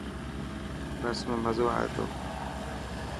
بس ۾ مزو آئي تو.